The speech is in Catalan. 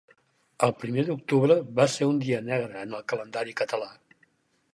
El Primer d'Octubre va ser un dia negre en el calendari català